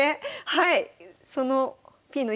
はい。